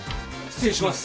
失礼します。